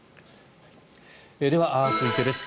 では、続いてです。